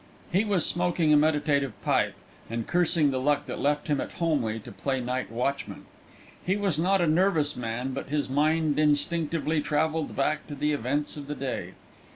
He was smoking a meditative pipe, and cursing the luck that left him at Holmleigh to play night watchman. He was not a nervous man, but his mind instinctively travelled back to the events of the day.